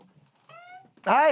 はい！